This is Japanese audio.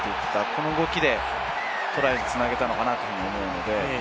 この動きでトライに繋げたのかなと思うので。